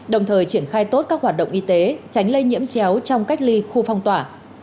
đồng thời triển khai tốt các hoạt động y tế tránh lây nhiễm chéo trong cách ly khu phong tỏa